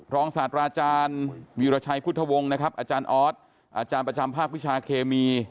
ศาสตราอาจารย์วีรชัยพุทธวงศ์นะครับอาจารย์ออสอาจารย์ประจำภาควิชาเคมี